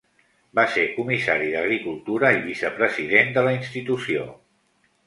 Va ser comissari d'Agricultura i vicepresident de la institució.